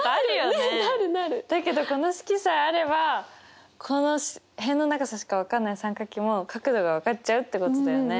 なるなる！だけどこの式さえあれば辺の長さしか分かんない三角形も角度が分かっちゃうってことだよね。